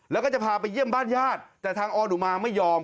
แล้วก็จะพาไปเยี่ยมบ้านญาติแต่ทางออนุมาไม่ยอม